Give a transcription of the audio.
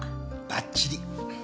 ばっちり。